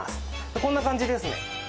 こんな感じですね